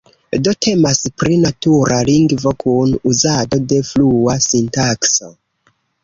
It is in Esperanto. Do temas pri natura lingvo kun uzado de flua sintakso.